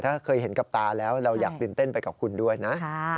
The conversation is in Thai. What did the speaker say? ถ้าเคยเห็นกับตาแล้วเราอยากตื่นเต้นไปกับคุณด้วยนะ